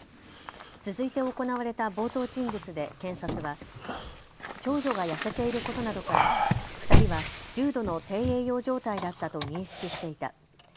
続いて行われた冒頭陳述で検察は長女が痩せていることなどから２人は重度の低栄養状態だったと認識していた。